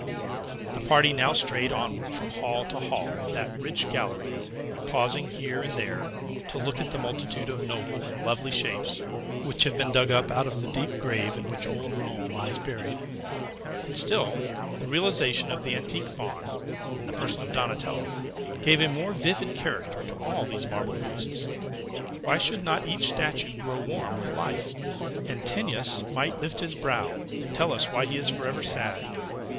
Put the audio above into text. The party now strayed onward from hall to hall of that rich gallery, pausing here and there, to look at the multitude of noble and lovely shapes, which have been dug up out of the deep grave in which old Rome lies buried. And still, the realization of the antique Faun, in the person of Donatello, gave a more vivid character to all these marble ghosts. Why should not each statue grow warm with life! Antinous might lift his brow, and tell us why he is forever sad.